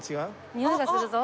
においがするぞ。